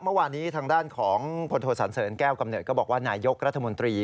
เมื่อวานนี้ทางด้านของพลโทสันเสริญแก้วกำเนิดก็บอกว่านายยกรัฐมนตรี